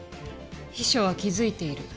秘書は気づいている。